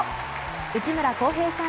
内村航平さん